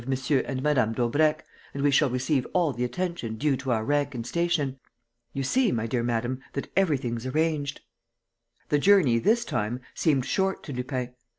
and Mme. Daubrecq and we shall receive all the attention due to our rank and station. You see, my dear madam, that everything's arranged." The journey, this time, seemed short to Lupin.